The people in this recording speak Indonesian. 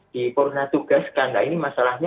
dipurnatugaskan nah ini masalahnya